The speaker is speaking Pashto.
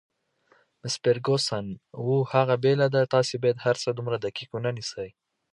مس فرګوسن: اوه، هغه بېله ده، تاسي باید هرڅه دومره دقیق ونه نیسئ.